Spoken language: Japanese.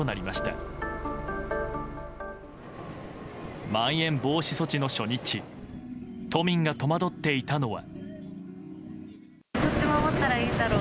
まん延防止措置の初日都民が戸惑っていたのは。